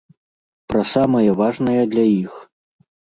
Пра самае важнае для іх.